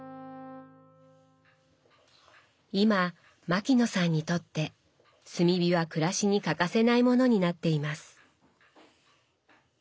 今牧野さんにとって炭火は暮らしに欠かせないものになっています。